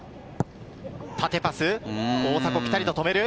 縦パス、大迫、ピタリと止める。